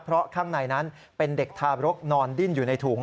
เพราะข้างในนั้นเป็นเด็กทารกนอนดิ้นอยู่ในถุง